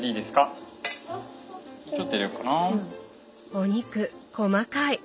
お肉細かい！